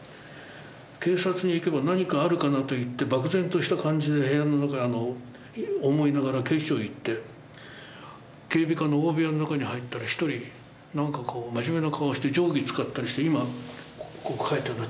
警察に行けば何かあるかなといって漠然とした感じで部屋の中へ思いながら警視庁行って警備課の大部屋の中に入ったら一人なんか真面目な顔して定規使ったりして地図描いてるんですね。